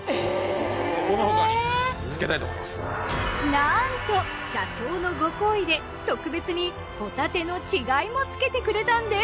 なんと社長のご厚意で特別にほたての稚貝も付けてくれたんです。